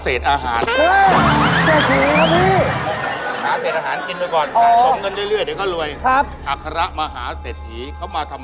เอาใหม่